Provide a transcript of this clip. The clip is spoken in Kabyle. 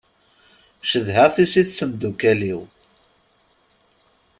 Cedhaɣ tissit d temdukal-iw.